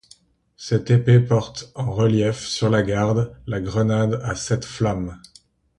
Cette épée porte, en relief, sur la garde, la grenade à sept flammes.